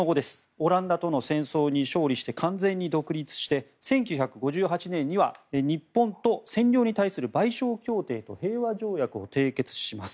オランダとの戦争に勝利して完全に独立して１９５８年には日本と占領に対する賠償協定と平和条約を締結します。